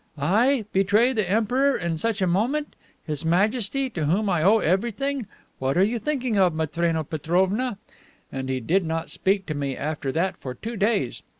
'I! Betray the Emperor in such a moment! His Majesty, to whom I owe everything! What are you thinking of, Matrena Petrovna!' And he did not speak to me after that for two days.